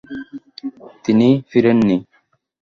তিনি ফিরেননি।